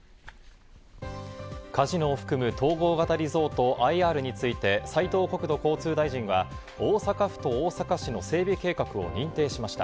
カジノを含む統合型リゾート＝ＩＲについて斉藤国土交通大臣は大阪府と大阪市の整備計画を認定しました。